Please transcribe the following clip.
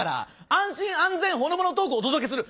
安心安全ほのぼのトークをお届けする。